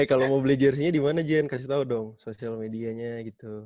eh kalau mau beli jerseynya dimana jen kasih tau dong social medianya gitu